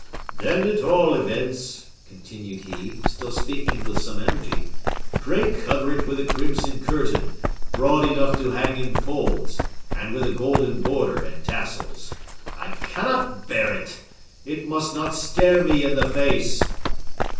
"Then, at all events," continued he, still speaking with some energy, "pray cover it with a crimson curtain, broad enough to hang in folds, and with a golden border and tassels. I cannot bear it! It must not stare me in the face!"